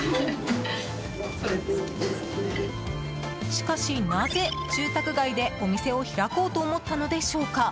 しかし、なぜ住宅街でお店を開こうと思ったのでしょうか。